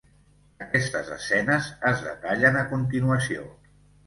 Aquestes escenes es detallen a continuació.